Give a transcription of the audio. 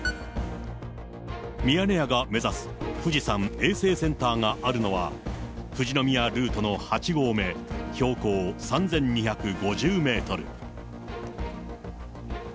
ミヤネ屋が目指す富士山衛生センターがあるのは、富士宮ルートの８合目、標高３２５０メートル。